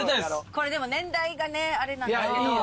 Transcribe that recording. これでも年代がねあれなんですけど。